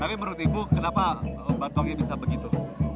tapi menurut ibu kenapa batongnya bisa begitu